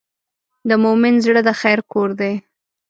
د مؤمن زړه د خیر کور دی.